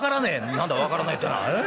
「何だ分からないってのはええ？